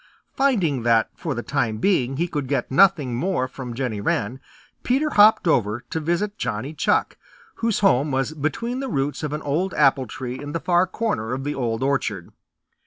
Finding that for the time being he could get nothing more from Jenny Wren, Peter hopped over to visit Johnny Chuck, whose home was between the roots of an old apple tree in the far corner of the Old Orchard.